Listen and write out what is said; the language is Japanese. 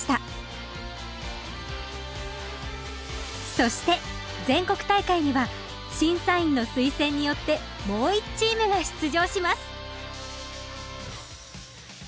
そして全国大会には審査員の推薦によってもう１チームが出場します